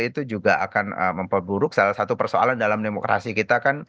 itu juga akan memperburuk salah satu persoalan dalam demokrasi kita kan